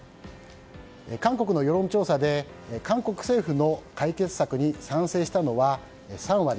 韓国の世論調査で韓国政府の解決策に賛成したのは３割。